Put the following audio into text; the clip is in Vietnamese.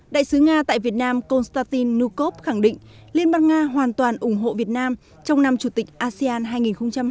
đại sứ nga tại việt nam konstantin nukov khẳng định liên bang nga hoàn toàn ủng hộ việt nam trong năm chủ tịch asean hai nghìn hai mươi